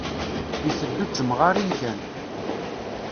Iteddu d temɣarin kan.